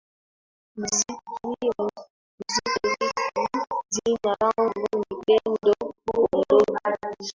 muziki rfi jina langu ni pendo pondovi